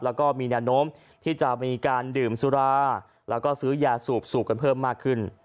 แล้วก็มีแนวโน้มที่จะมีการดื่มสุราแล้วก็ซื้อยาสูบกันเพิ่มมากขึ้น